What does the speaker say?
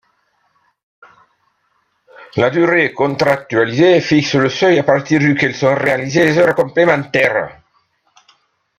La durée contractualisée fixe le seuil à partir duquel sont réalisées les heures complémentaires.